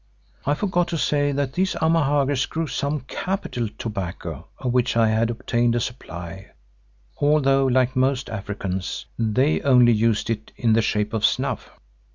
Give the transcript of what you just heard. (I forgot to say that these Amahagger grew some capital tobacco of which I had obtained a supply, although like most Africans, they only used it in the shape of snuff.)